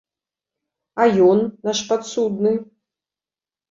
А ён, наш падсудны?